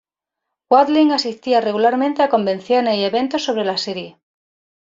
Watling asistía regularmente a convenciones y eventos sobre la serie.